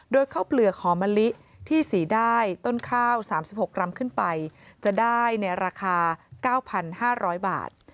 โดยข้าวเปลือกหอมะลิที่สีได้ต้นข้าว๓๖กรัมขึ้นไปจะได้ในราคา๙๕๐๐บาท